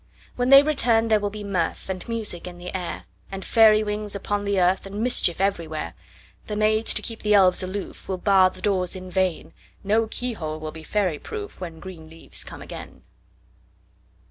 When they return there will be mirth, And music in the air, And fairy wings upon the earth, And mischief everywhere. The maids, to keep the elves aloof, Will bar the doors in vain; No key hole will be fairy proof, When green leaves come again.